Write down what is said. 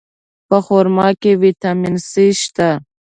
په خرما کې ویټامین C شته.